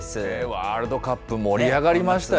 ワールドカップ、盛り上がりましたよね。